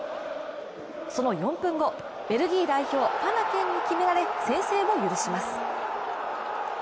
その４分後、ベルギー代表、ファナケンに決められ先制を許します。